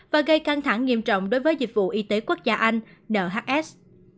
và gây căng thẳng nghiêm trọng đối với dịch vụ y tế quốc gia anh nhs